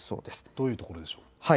どういうところでしょうか。